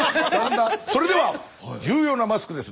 それでは重要なマスクです。